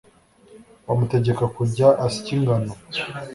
bamutegeka kujya asya ingano